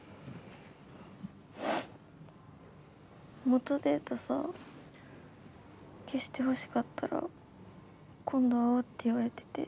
元データさ消してほしかったら今度会おうって言われてて。